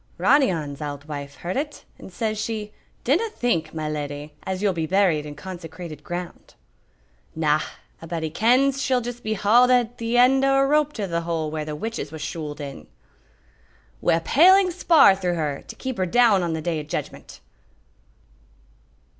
"Ronny On's auld wife heard it, and says she, 'Dinna think, my leddy, as you'll be buried in consecrated ground.'" "Na, a'body kens she'll just be hauled at the end o' a rope to the hole where the witches was shooled in." "Wi' a paling spar through her, to keep her down on the day o' judgment."